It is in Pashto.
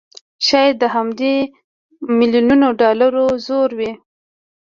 شايد د همدې مليونونو ډالرو زور وي